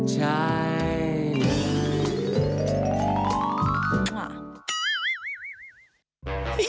ใช่นะ